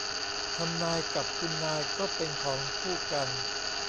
ทำนาย กับคุณนายก็เป็นของคู่กัน